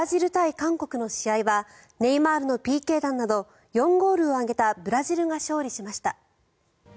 韓国の試合はネイマールのＰＫ弾など４ゴールを挙げたブラジルが勝利しました。